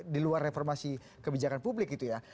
di luar reformasi kebijakan publik